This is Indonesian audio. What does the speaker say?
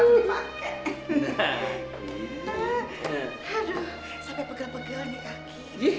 aduh sampai pegel pegel di kaki